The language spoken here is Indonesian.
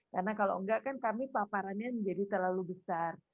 karena kalau enggak kan kami paparannya menjadi terlalu besar